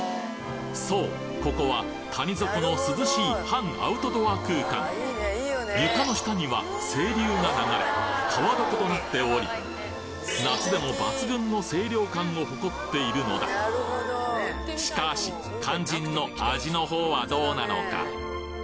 そうここは谷底の涼しい半アウトドア空間床の下には清流が流れ川床となっており夏でも抜群の清涼感を誇っているのだしかし肝心の味の方はどうなのか？